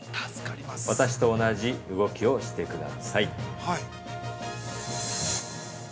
私と同じ動きをしてください。